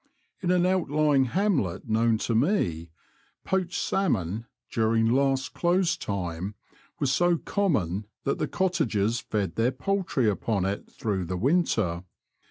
In an out lying hamlet known to me, poached salmon, during last close time, was so common that the cottagers fed their poultry upon it through the winter.